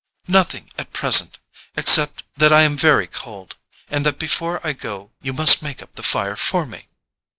"Nothing at present—except that I am very cold, and that before I go you must make up the fire for me."